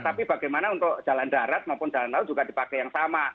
tapi bagaimana untuk jalan darat maupun jalan laut juga dipakai yang sama